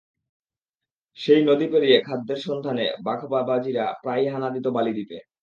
সেই নদী পেরিয়ে খাদ্যের সন্ধানে বাঘবাবাজিরা প্রায়ই হানা দিত বালি দ্বীপে।